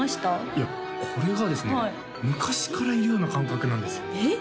いやこれがですね昔からいるような感覚なんですよえっ？